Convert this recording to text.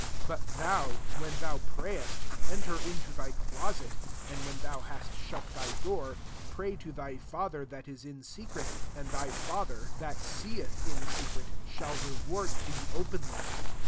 6 •« But thou, when thou pray est, enter into thy closet, and when thou hast shut thy door, pray to thy Father that t« in se cret 2 and Ay Father, that seeth d2 MATTHEW VI. in secret, shall reward thee [openly].